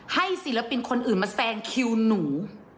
ศิลปินคนอื่นมาแซงคิวหนู